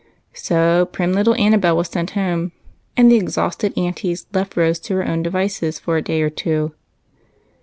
So prim little Annabel was sent home, and the exhausted aunties left Rose to her own devices for a day or two.